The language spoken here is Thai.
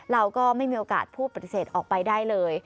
เราก็ไม่มีโอกาสพูดปฏิเสธออกไปได้เลย